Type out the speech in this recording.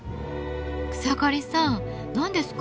草刈さん何ですか？